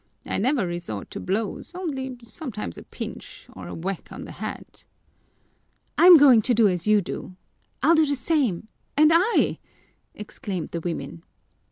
I never resort to blows, only sometimes a pinch, or a whack on the head." "I'm going to do as you do!" "I'll do the same!" "And I!" exclaimed the women.